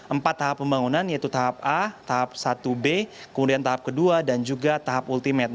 empat tahap pembangunan yaitu tahap a tahap satu b kemudian tahap kedua dan juga tahap ultimate